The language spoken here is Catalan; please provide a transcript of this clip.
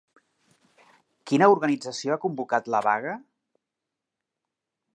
Quina organització ha convocat la vaga?